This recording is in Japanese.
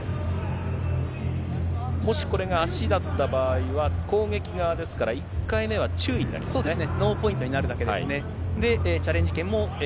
もしこれが足だった場合は、攻撃側ですから、１回目は注意になりますね。